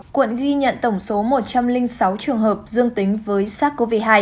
quận ghi nhận tổng số một trăm linh sáu trường hợp dương tính với sars cov hai